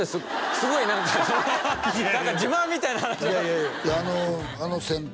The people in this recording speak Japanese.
すごい何かその何か自慢みたいな話をあのあの先輩